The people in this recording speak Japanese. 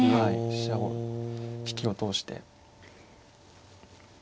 飛車を利きを通して。